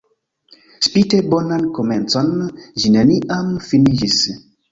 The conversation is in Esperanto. Spite bonan komencon, ĝi neniam finiĝis.